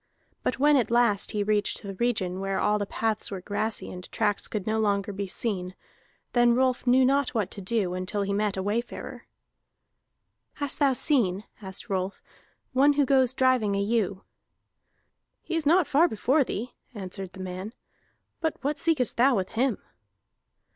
But when at last he reached the region where all the paths were grassy and tracks could no longer be seen, then Rolf knew not what to do until he met a wayfarer. "Hast thou seen," asked Rolf, "one who goes driving a ewe?" "He is not far before thee," answered the man. "But what seekest thou with him?"